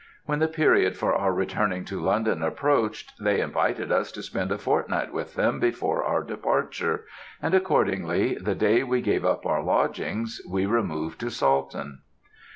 When the period for our returning to London approached, they invited us to spend a fortnight with them before our departure, and, accordingly, the day we gave up our lodgings, we removed to Salton.